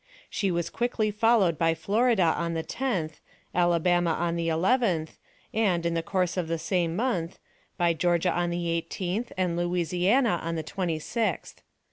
She was quickly followed by Florida on the 10th, Alabama on the 11th, and, in the course of the same month, by Georgia on the 18th, and Louisiana on the 26th.